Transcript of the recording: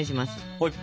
はい。